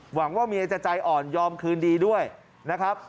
หวังว่าเมียจะใจอ่อนยอมคืนดีด้วยนะครับ